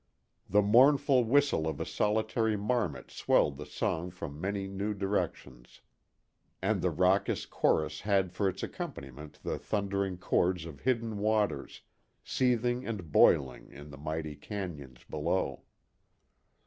The mournful whistle of a solitary marmot swelled the song from many new directions, and the raucous chorus had for its accompaniment the thundering chords of hidden waters, seething and boiling in the mighty cañons below.